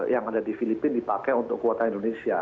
yang ada di filipina dipakai untuk kuota indonesia